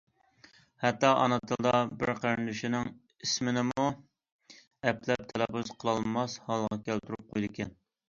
ھەتتا ئانا تىلدا بىر قېرىندىشىنىڭ ئىسىمنىمۇ ئەپلەپ تەلەپپۇز قىلالماس ھالغا كەلتۈرۈپ قويىدىكەن.